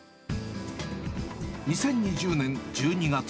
２０２０年１２月。